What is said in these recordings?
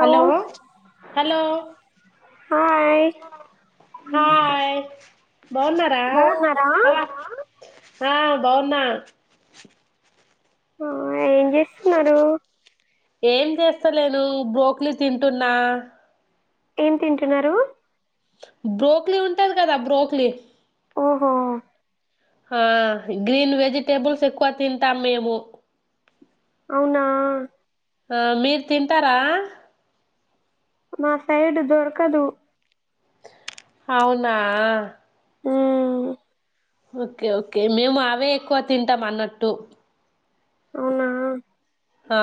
Hello hello hi hi బావున్నార బాగున్నారా ఆ బాగున్నా ఆ ఏం చేస్తున్నారు ఏం చేస్తాలేదు బ్రోక్లీ తింటున్నా ఏం తింటున్నారు బ్రోక్లీ ఉంటది కదా బ్రోక్లీ ఓహో హా గ్రీన్ వెజిటేబుల్స్ ఎక్కువ తింటాం మేము అవునా ఆ మీర్ తింటారా మా సైడ్ దొరకదు అవునా ఉమ్ ఓకే ఓకే మేము అవే ఎక్కువ తింటాం అన్నట్టు అవునా హా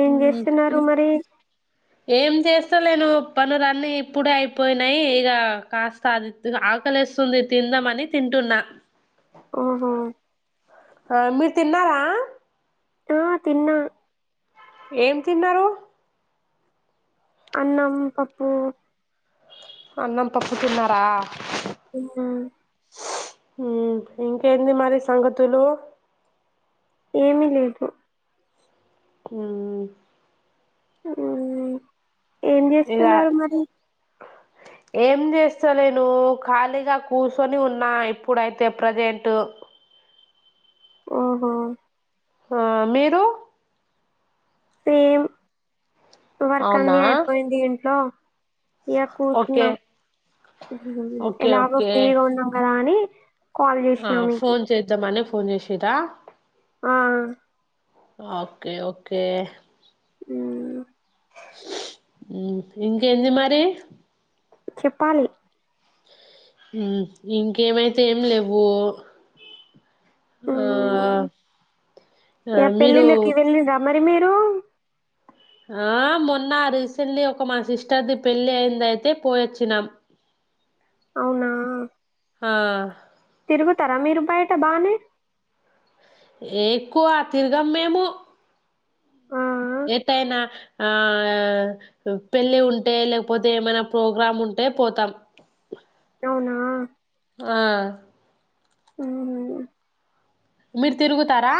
ఏం చేస్తున్నారు మరి ఏం చేస్తాలేను పనులన్ని ఇప్పుడే అయిపోయినాయి ఇగ కాస్త అది ఆకలేస్తుంది తిందామని తింటున్నా ఓహో ఆ మీర్ తిన్నారా ఆ తిన్న ఏం తిన్నారు అన్నం పప్పూ అన్నం పప్పు తిన్నారా ఉమ్ ఉమ్ ఇంకేంది మరి సంగతులు ఏమిీ లేదు ఉమ్ ఉమ్ ఏం ఇగ చేస్తున్నారు మరి ఏం చేస్తాలేను ఖాళీగా కూర్చొని ఉన్నా ఇప్పుడైతే ప్రజెంట్ ఓహో ఆ మీరు సేమ్ వర్క్ అవునా అన్ని అయిపోయింది ఇంట్లో ఇగా ఓకే కూర్చున్నాం ఓకే ఎలాగో ఓకే ఫ్రీగా ఉన్నాం కదా అని కాల్ ఆ చేసినా మీకు ఫోన్ చేద్దామనే ఫోన్ చేసిరా ఆ ఓకే ఓకే ఉమ్ ఉమ్ ఇంకేంది మరి చెప్పాలి ఉమ్ ఇంకేమైతే ఏం లేవు ఆ మ్ ఆ ఇగ మీరు పెళ్ళిళ్ళకి వెళ్ళిండ్రా మరి మీరు ఆ మొన్న రీసెంట్లీ ఒక మా సిస్టర్దిి పెళ్ళి అయింది అయితే పోయిొచ్చినాం అవునా హా తిరుగుతారా మీరు బయట బానే ఎక్కువ తిరగం మేము ఆ ఎటైనా ఆ పెళ్ళి ఉంటే లేకపోతే ఏమైనా ప్రోగ్రామ్ ఉం టే పోతాం అవునా ఆ ఉమ్ హ్మ్ మీరు తిరుగుతారా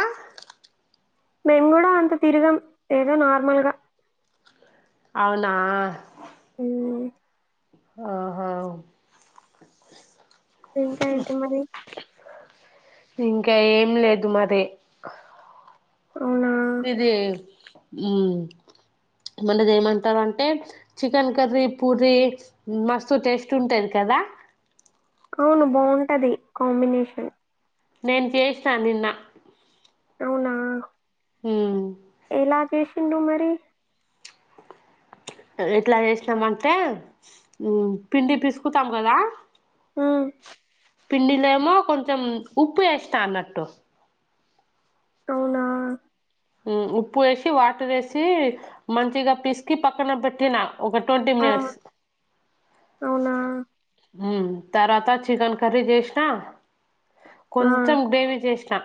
మేము కూడా అంత తిరిగాం ఏదో నార్మల్గా అవునా ఉమ్ ఆహా ఇంకా ఏంటి మరి ఇంకా ఏం లేదు మరి అవునా ఇది ఉమ్ మనది ఏమంటారు అంటే చికెన్ కర్రీ పూరీ మస్తు టేస్ట్ ఉంటది కదా అవును బావుంటది కాంబినేషన్ నేన్ చేశనా నిన్న అవునా హ్మ్ చేసిండు మరి ఎట్లా చేసినం అంటే ఉమ్ పిండి పిసుకుతాం కదా ఆ పిండిలేమో కొంచెం ఉప్పు ఎస్త అన్నట్టు అవునా ఉప్పు వేసి వాటర్ వేసి మంచిగా పిసికి పక్కన పెట్టి నాకు ఒక ట్వంటీ ఆ మనిట్స్ అవునా తర్వాత చికెన్ కర్రీ చేసినా కొంచెం గ్రేవీ చేసినా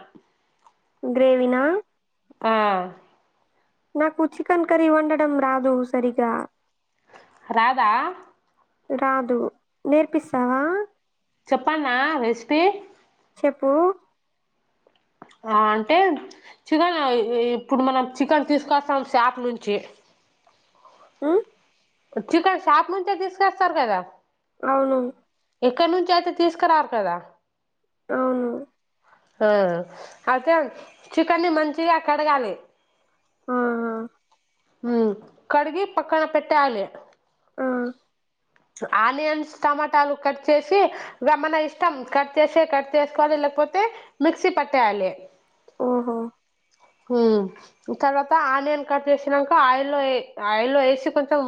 గ్రేవనా ఆ నాకు చికెన్ కర్రీ వండడం రాదు సరిగా రాధా రాదు నేర్పిస్తావా చెప్పన్న రెసిపీ చెప్పు ఆ అంటే చికెన్ ఇప్పుడు మనం చికెన్ తీసుకొస్తాం శాప్ నుంచి ఉమ్ చికన్ షాప్ నుంచే తీసుకొస్తారు కదా అవును ఎక్క నుంచియితే తీసు కరారు కదా అవును ఆ అయితే చికెన్ని మంచిగా కడగాలి ఆ హ కడిగి పక్కన పెట్టే ఆలి ఆ ఆనియన్స్ టమాటాలు కట్ చేసి మన ఇష్టం కట్ చేసి కట్ చేసుకోవాలి లేకపోతే మిక్సీ పట్టయాలి ఓహో హ తర్వాత ఆనన్ కట్టే వచ్చాక ఆయిల్లో ఆయిల్లో వేసి కొంచెం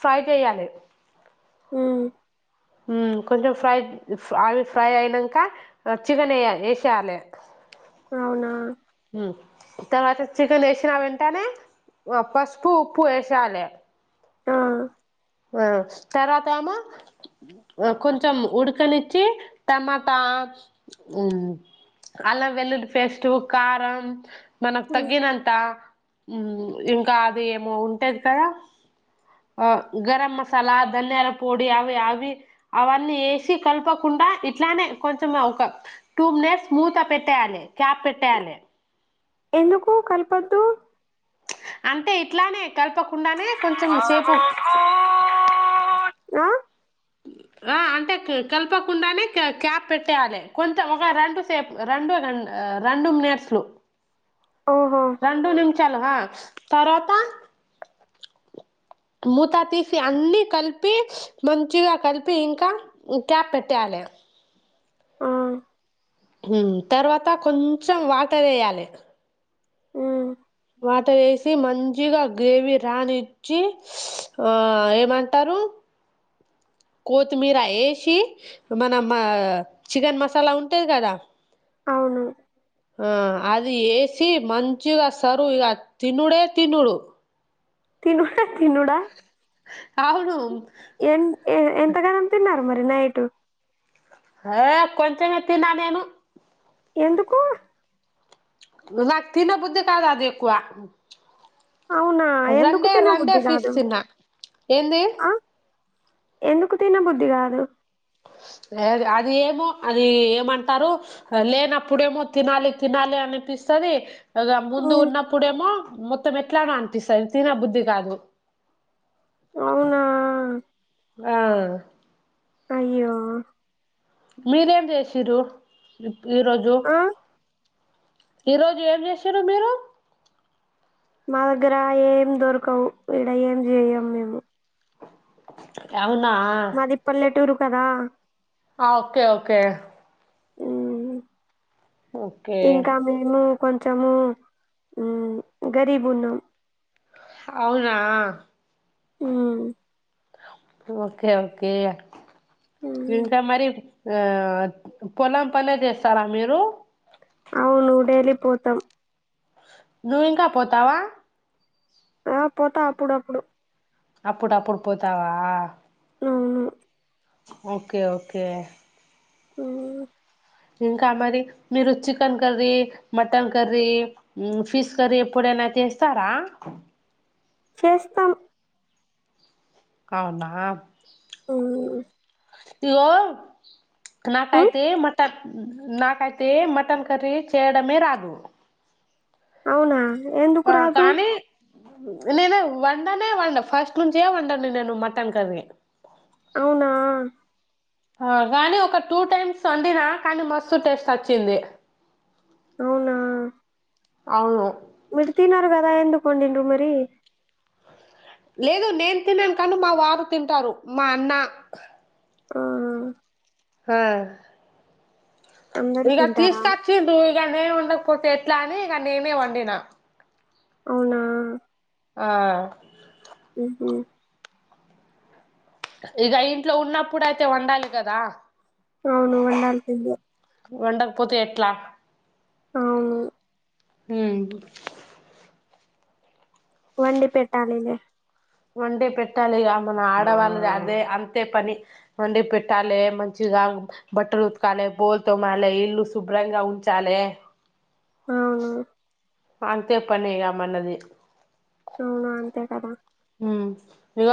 ఫ్రై చేయాలి అ కొంచెం ఫ్రై అవి ఫ్రై అయినాక చికెన్ వ వేసేయాలి అవునా తర్వాత చికెన్ వేసినా వెంటనే పసుపు ఉప్పు వేసాలి ఆ ఆ తర్వాత అమ ఆ కొంచెం ఉడకనిచ్చి టమాటా అలా వెల్లుడి పేస్టు కారం మనకు ఉమ్. తగ్గినంత ఉ ఇంకా అది ఏమో ఉంటేది కదా ఆ గరం మసాలా ధనియాల పొడి అవి అవి అవన్నీ వేసి కలపకుండా ఇట్లానే కొంచం ఒక టూమ్ నే స్మూత్గా పెట్టేయాలి క్యాప్ పెట్టేయాలి ఎందుకు కలిపొద్దు అంటే ఇట్లానే కలపకుండానే కొంచెం సేపు ఆ ఆ అంటే కలపకుండానే క్యాప్ పెట్టేయాలి కొంత ఒక రెండు సేపు రెండుం రెండు మినట్స్లు ఓహో చాలా తవాత మూతా తీసి అన్ని కలిపి మంచిగా కలిపి ఇంకా క్యాప్ పెట్టయాలి ఆ తర్వాత కొంచెం వాటర్ వేయాలి ఆ వాటర్ వేసి మంచిగా గ్రేవీ రానిచ్చి ఆ ఏమంటారు కొత్తిమీర వేసి మనం మా చికెన్ మసాలా ఉంటది కదా అవును ఆ అది వేసి మంచిగా సరు ఇక తినుడే తినుడు తినుడే తినుడా అవును ఎన్ ఎంతగానం తిన్నారు మరి నైటు హే కొంచమే తిన్నా నేను ఎందుకు తి నా బుద్ధ కా దాద ఎకు అవునా ఎందుకు తినబుద్ధి పీస్ కాదు తిన్నా ఏంది ఆ ఎందుకు తిన బుద్ధి కాదు అది ఏమో అది ఏమంటారు లేనప్పుడేమో తినాలి తినాలి అ పిస్తాది ఇగ ముందు ఉమ్ ఉన్నప్పుడేమో మొత్తం ఎట్లానో అనిపిస్తది తిన బుద్ధి కాదు అవునా ఆ అయ్యో మీరేం చేసిర్రు ఈరోజు ఆ ఈ రోజు ఏం చేసిర్రు మీరు మా దగ్గర ఏం దొరకవు ఈడ ఏం జేయము మేము అవును మాది పల్లెటూరు కదా ఆ ఓకే ఓకే ఉమ్ ఓకే ఇంకా మేము కొంచము ఉమ్ గరీబున్నాం అవునా ఉమ్ ఓకే ఓకే మ్మ్ ఇంకా మరి ఆ పొలం పనే చేస్తారా మీరు అవును డైలీ పోతాం నువ్వు ఇంకా పోతావా ఆ పోతా అప్పుడప్పుడు అప్పుడప్పుడు పోతావా ఉహూ ఓకే ఓకే ఉమ్ ఇంకా మరి మీరు చికెన్ కర్రీ మటన్ కర్రీ ఉమ్ ఫిష్ కర్రీ ఎప్పుడై నా చేస్తారా చేస్తాం అవునా ఉమ్ ఇగో మ్మ్ నాకయితే మటన్ ఉమ్ నాకైతే మటన్ కర్రీ చేయడమే రాదు అవునా ఎందుకు ఆ రాదు కానీ నేను వండనే వండ ఫస్ట్ నుంచే వండను నేను మటన్ కర్రీ అవునా ఆ గాని ఒక టూ టైమ్స్ వండినా కానీ మస్తు టేస్ట్ వచ్చింది అవునా అవును మీరు తినరు కదా ఎందుకు వండిన్రు మరి లేదు నేను తిన్నాను కాను మా వారు తింటారు మా అన్న ఆ ఆ అందరూ ఇగ తింటారా తీస్కట్చండు ఇక నేను ఉండకపోతే ఎట్లా అని ఇక నేనే వండినా అవునా ఆ ఉహ ఇక ఇంట్లో ఉన్నప్పుడు అయితే వండాలి కదా అవును వండాల్సిందే వండకపోతే ఎట్లా అవును ఉమ్ వండి పెట్టాలిలే వండి పెట్టాలి ఇక మన ఆడవాళ్ళది అదే అంతే పని వండి పెట్టాలి మంచి ఇ బట్టలు ఉతుకాలి పోల్తో మళే ఇల్లు శుభ్రంగా ఉంచాలి ఆ అంతే పనేగామన్నది అవును అంతే కదా ఇక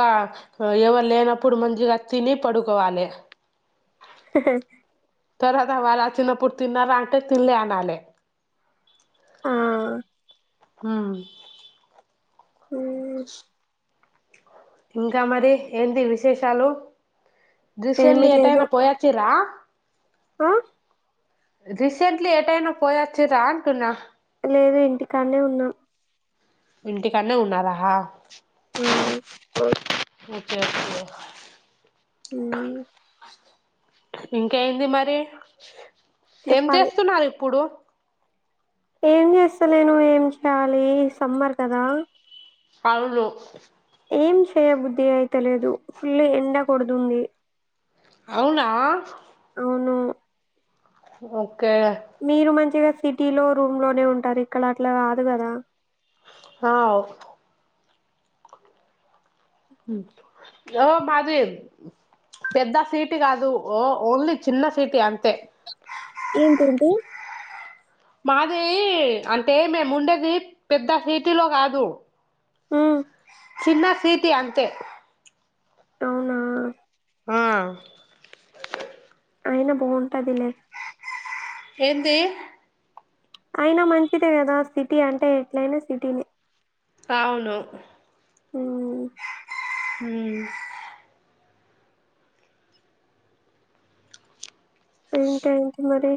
ఎవరు లేనప్పుడు మంచిగా తిని పడుకోవాలి త అద వాాల చిిన పూర్ తన్న రా అటే తలే అనాల ఆ హ హ ఇంకా మరి ఏంటి విశేషాలు దృశ్యంలు ఏమి లేదు ఏటైనా పోయాచ్చిరా ఆ రీసెంట్లీ ఏ టైనా పోయాచ్చు రానుకున్నా లేో ఇంటి కండే ఉన్నా ఇంటికానే ఉన్నారాహా ఆ ఓకే ఓకే ఈ ఇంకయింది మరి ఏం చెప్పాలి చేస్తున్నారు ఇప్పుడు ఏం చేస్తలేను ఏం చేయాలి సమ్మర్ కదా అవును ఏం చేయబుద్ధి అయిత లేదు ఫుల్లి ఎండ కుడుదుంది అవునా అవును ఓ మీరు మంచిగా సిటీ లో రూమ్ లోనే ఉంటారు ఇక్కడ అట్లా రాదు కదా అ అ మాది పెద్ద సీటి కాదు ఓ ఓన్లీ చిన్న సీటి అంతే ఏంగ్ంది మాదివి అంటే మేము ఉండేది పెద్ద సిీటీలో కాదు ఆ చిన్న సీటీ అంతే అవునా ఆవు అయినా బాగుంటది లేక ఎంది అయినా మంచిదే కదా సిటీ అంటే ఎట్లయినా సిటీని అవును ఉమ్ ఉమ్ ఇంకేంటి మరి